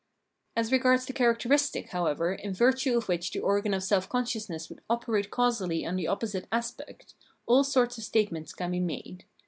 As regards the characteristic, however, in virtue of which the organ of self consciousness would operate causally on the opposite aspect, all sorts of statements can be made.